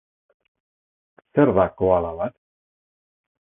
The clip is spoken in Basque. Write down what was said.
Zer da koala bat?